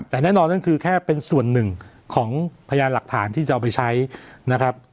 แต่แน่นอนนั่นคือแค่เป็นส่วนหนึ่งของพยานหลักฐานที่จะเอาไปใช้นะครับ